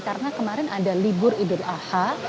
karena kemarin ada libur idul aha